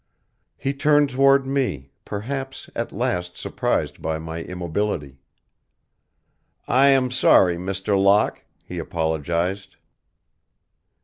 He turned toward me, perhaps at last surprised by my immobility. "I am sorry, Mr. Locke," he apologized.